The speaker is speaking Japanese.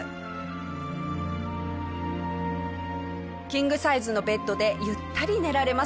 キングサイズのベッドでゆったり寝られます。